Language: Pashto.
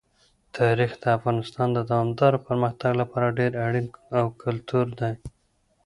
تاریخ د افغانستان د دوامداره پرمختګ لپاره ډېر اړین او ګټور دی.